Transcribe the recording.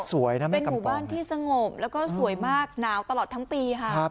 สวยนะแม่กำปองเป็นหมู่บ้านที่สงบแล้วก็สวยมากหนาวตลอดทั้งปีค่ะ